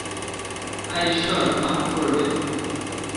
হায়, ঈশ্বর, মাফ করবে!